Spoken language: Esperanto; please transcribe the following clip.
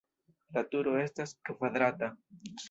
La turo estas kvadrata.